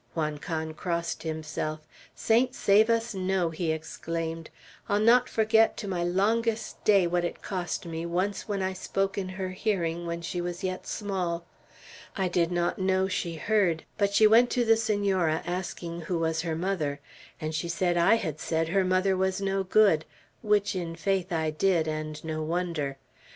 Juan Can crossed himself. "Saints save us, no!" he exclaimed. "I'll not forget, to my longest day, what it cost me, once I spoke in her hearing, when she was yet small. I did not know she heard; but she went to the Senora, asking who was her mother. And she said I had said her mother was no good, which in faith I did, and no wonder.